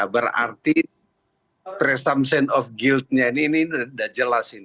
berarti presumption of guilt nya ini sudah jelas